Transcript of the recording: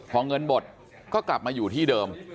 พอเงินหมดก็กลับมาอยู่ที่เดิม